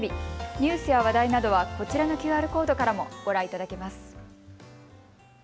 ニュースや話題などはこちらのＱＲコードからもご覧いただけます。